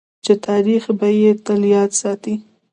چې تاریخ به یې تل یاد ساتي.